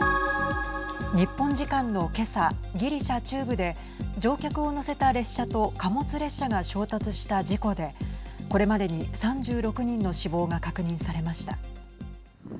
日本時間の今朝ギリシャ中部で乗客を乗せた列車と貨物列車が衝突した事故でこれまでに３６人の死亡が確認されました。